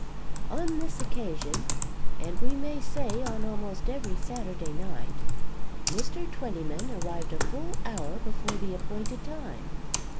On this occasion, and we may say on almost every Saturday night, Mr. Twentyman arrived a full hour before the appointed time.